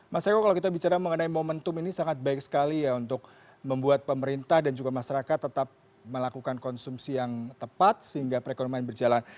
mas eko kalau kita bicara mengenai momentum ini sangat baik sekali ya untuk membuat pemerintah dan juga masyarakat tetap melakukan konsumsi yang tepat sehingga perekonomian berjalan